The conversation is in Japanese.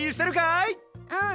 うん。